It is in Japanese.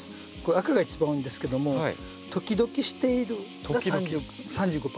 赤が一番多いんですけども「ときどきしている」が３５％と。